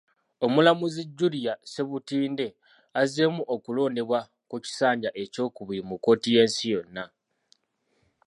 Omulamuzi Julia Ssebutinde, azzeemu okulondebwa ku kisanja ekyokubiri mu kkooti y'ensi yonna.